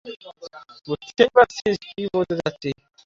বুঝতেই পারছিস কী বলতে চাইছি!